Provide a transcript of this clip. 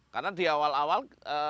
karena di awal awal